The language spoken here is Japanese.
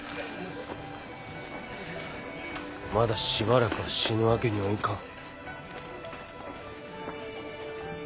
まだしばらくは死ぬわけにはいかん。